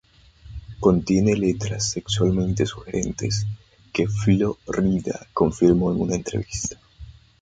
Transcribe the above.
Contiene letras sexualmente sugerentes que Flo Rida confirmó en una entrevista.